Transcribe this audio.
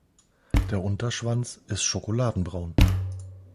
Der Unterschwanz ist schokoladenbraun.